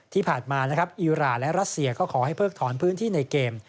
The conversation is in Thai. ที่ผ่านมานะครับอิราณและรัสเซียก็ขอให้เพิกถอนพื้นที่ในเกม